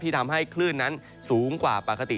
ทำให้คลื่นนั้นสูงกว่าปกติ